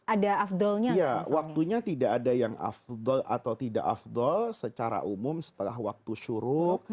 ada afdolnya waktunya tidak ada yang afdol atau tidak afdol secara umum setelah waktu syuruk